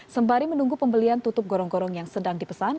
sembari menunggu pembelian tutup gorong gorong yang sedang dipesan